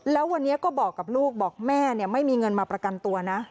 แล้ววันนี้ก็บอกกับลูกบอกแม่ไม่มีเงินมาประกันตัวนะ